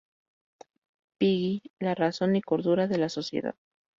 Piggy, la razón y cordura de la sociedad.